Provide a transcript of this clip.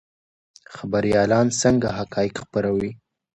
خبریالان څنګه حقایق خپروي؟